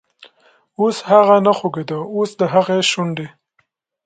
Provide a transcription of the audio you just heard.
اوس هغه نه خوږیده، اوس دهغې شونډې،